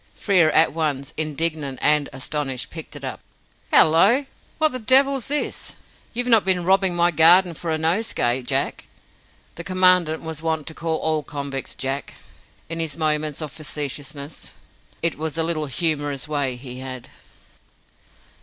Frere at once, indignant and astonished, picked it up. "Hallo! What the devil's this? You've not been robbing my garden for a nosegay, Jack?" The Commandant was wont to call all convicts "Jack" in his moments of facetiousness. It was a little humorous way he had.